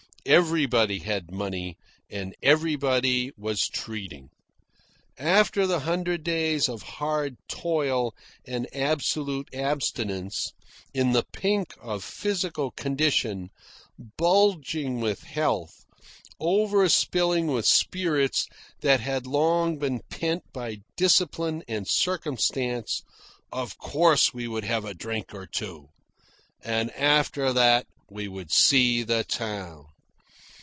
Everybody had money, and everybody was treating. After the hundred days of hard toil and absolute abstinence, in the pink of physical condition, bulging with health, over spilling with spirits that had long been pent by discipline and circumstance, of course we would have a drink or two. And after that we would see the town.